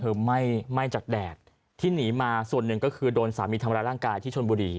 ไหม้ไหม้จากแดดที่หนีมาส่วนหนึ่งก็คือโดนสามีทำร้ายร่างกายที่ชนบุรี